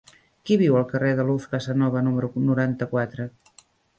Qui viu al carrer de Luz Casanova número noranta-quatre?